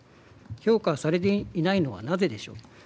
評価されていないのはなぜでしょう？